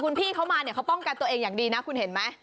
คุณพี่เขามาเนี่ยเขาป้องกันตัวเองอย่างดีนะคุณเห็นไหม